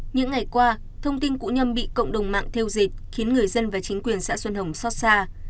những ngày qua thông tin cũ nhâm bị cộng đồng mạng theo dịch khiến người dân và chính quyền xã xuân hồng xót xa